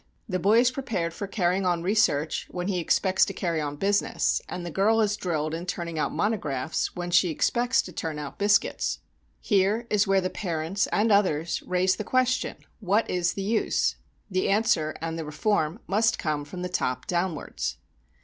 The boy is prepared for carrying on research when he expects to carry on business, and the girl is drilled in turning out monographs when she expects to turn out biscuits. Here is where the parents, and others, raise the question, what is the use? The answer and the reform must come from the top downwards.